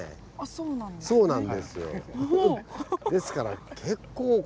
そうなんですよ。